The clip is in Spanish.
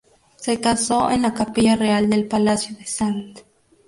Se casó en la Capilla Real del palacio de St.